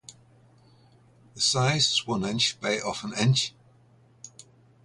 The size is one inch by of an inch.